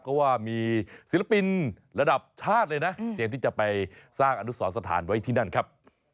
ก็ว่ามีศิลปินระดับชาติเลยนะเตรียมที่จะไปสร้างอนุสรสถานไว้ที่นั่นครับ